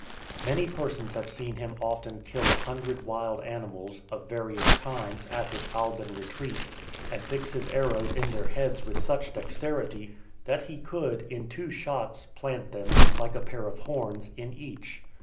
Many persons have seen him often kill a hundred wild animals, of various kinds, at his Alban retreat, and fix his arrows in their heads with such dexterity, that he could, in two shots, plant them, like a pair of horns, in each.